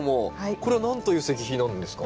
これは何という石碑なんですか？